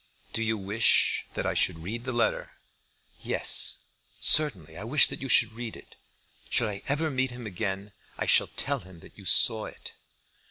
"Do you wish that I should read the letter?" "Yes, certainly. I wish that you should read it. Should I ever meet him again, I shall tell him that you saw it."